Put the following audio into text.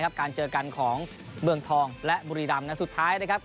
ครับการเจอกันของเบื้องทองและมรีตันสุดท้ายนะครับ